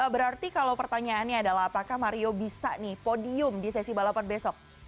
berarti kalau pertanyaannya adalah apakah mario bisa nih podium di sesi balapan besok